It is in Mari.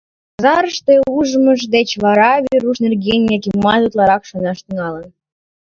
Пазарыште ужмыж деч вара Веруш нерген Якимат утларак шонаш тӱҥалын.